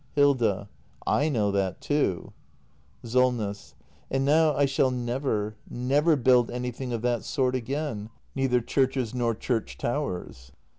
Hilda. / know that, too. SOLNESS. And now I shall never — never build anything of that sort again ! Neither churches nor church towers.